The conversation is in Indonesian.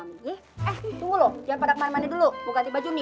eh tunggu dulu jangan pada kemana mana dulu mau ganti baju nih